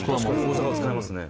大阪使えますね。